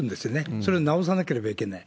それを直さなければいけない。